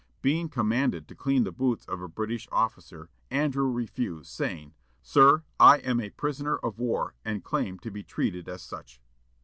Being commanded to clean the boots of a British officer, Andrew refused, saying, "Sir, I am a prisoner of war, and claim to be treated as such."